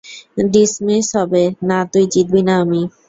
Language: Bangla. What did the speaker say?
ডিসমিস হবে, না তুই জিতবি না আমি।